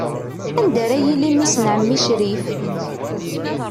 Anda ara yili mmi-s n ɛemmi Crif?